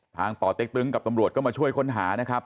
ป่อเต็กตึงกับตำรวจก็มาช่วยค้นหานะครับ